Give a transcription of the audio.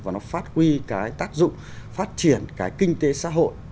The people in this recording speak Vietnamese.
và nó phát huy cái tác dụng phát triển cái kinh tế xã hội